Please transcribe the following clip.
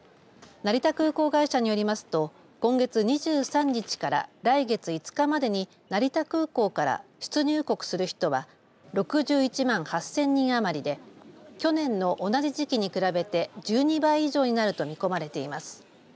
成田空港会社によりますと今月２３日から来月５日までに成田空港から出入国する人は６１万８０００人余りで去年の同じ時期に比べて１２倍以上になると見込まれています。